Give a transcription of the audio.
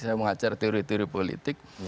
saya mengajar teori teori politik